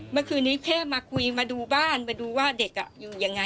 เมื่อคืนนี้แค่มาคุยมาดูบ้านมาดูว่าเด็กอยู่ยังไง